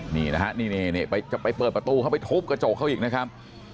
นี่นะฮะนี่จะไปเปิดประตูเข้าไปทุบกระจกเขาอีกนะครับ